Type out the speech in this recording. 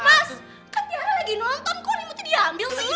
mas kan tiara lagi nonton kok anemuti diambil sih